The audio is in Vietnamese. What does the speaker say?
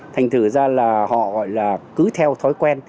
thành thử ra là họ gọi là cứ theo thói quen